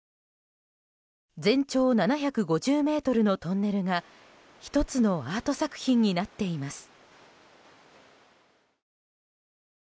全長７５０ｍのトンネルが１つのアート作品になっています。